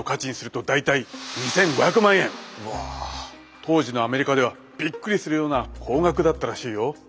当時のアメリカではびっくりするような高額だったらしいよ。